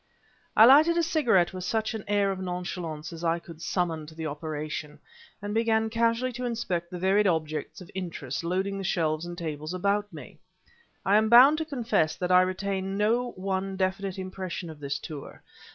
I lighted a cigarette with such an air of nonchalance as I could summon to the operation, and began casually to inspect the varied objects of interest loading the shelves and tables about me. I am bound to confess that I retain no one definite impression of this tour.